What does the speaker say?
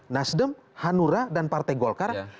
nasdem hanura dan partai golkar